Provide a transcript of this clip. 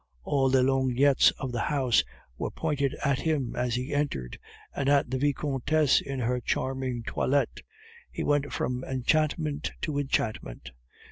All the lorgnettes of the house were pointed at him as he entered, and at the Vicomtesse in her charming toilette. He went from enchantment to enchantment.